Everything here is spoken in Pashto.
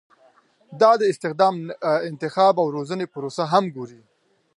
دا د استخدام، انتخاب او روزنې پروسې هم ګوري.